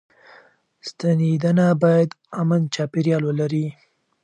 ستنېدنه بايد امن چاپيريال ولري.